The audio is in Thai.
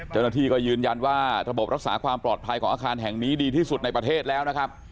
เจ้าหน้าที่ก็ยืนยันว่าระบบรักษาความปลอดภัยของอาคารแห่งนี้ดีที่สุดในประเทศแล้วนะครับ